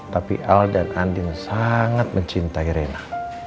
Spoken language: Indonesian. tapi al dan andin sangat mencintai rena